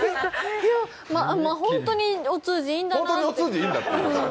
ホントにお通じいいんだなって。